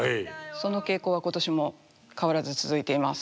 その傾向は今年も変わらず続いています。